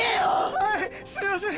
はいすいません